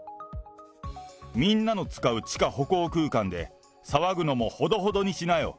みんなの使う地下歩行空間で騒ぐのもほどほどにしなよ。